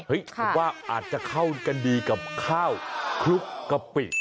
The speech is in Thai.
ผมว่าอาจจะเข้ากันดีกับข้าวคลุกกะปิ